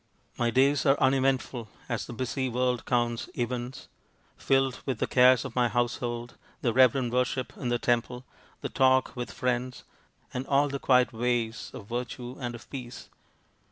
My days are uneventful, as the busy world counts events, filled with the cares of my household, the reverent worship in the temple, the talk with friends, and all the quiet ways of virtue and of peace.